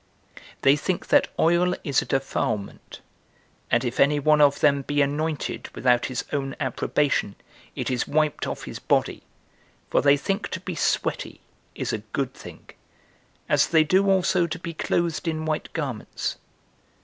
They think that oil is a defilement; and if any one of them be anointed without his own approbation, it is wiped off his body; for they think to be sweaty is a good thing, as they do also to be clothed in white garments.